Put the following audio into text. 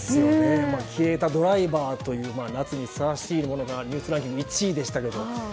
消えたドライバーという夏にふさわしいものがニュースランキング１位でしたけども。